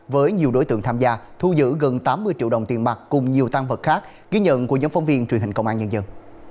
với nhiều đối tượng tham gia thu giữ gần tám mươi triệu đồng tiền mặt cùng nhiều tăng vật khác ghi nhận của nhóm phóng viên truyền hình công an nhân dân